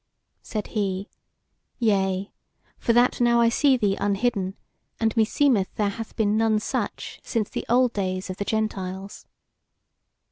Said he: "Yea, for that now I see thee unhidden, and meseemeth there hath been none such since the old days of the Gentiles."